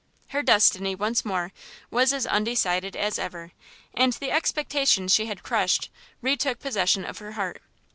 Her destiny, once more, was as undecided as ever, and the expectations she had crushed, retook possession of her heart.